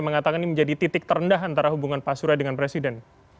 mengatakan ini menjadi titik terendah antara hubungan pak surya dengan presiden